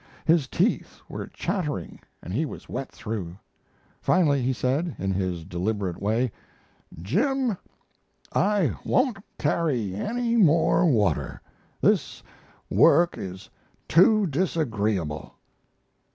His teeth were chattering and he was wet through. Finally he said, in his deliberate way: "Jim, I won't carry any more water. This work is too disagreeable."